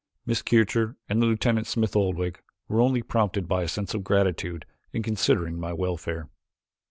Miss Kircher and Lieutenant Smith Oldwick were only prompted by a sense of gratitude in considering my welfare."